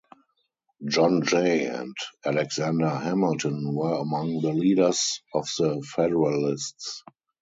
John Jay and Alexander Hamilton were among the leaders of the Federalists.